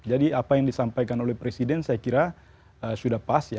jadi apa yang disampaikan oleh presiden saya kira sudah pas ya